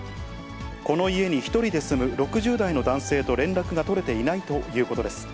この家に１人で住む６０代の男性と連絡が取れていないということです。